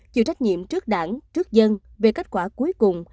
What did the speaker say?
chịu trách nhiệm trước đảng trước dân về kết quả cuối cùng